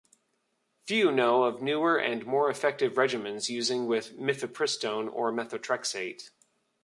Few know of newer and more effective regimens using with mifepristone or methotrexate.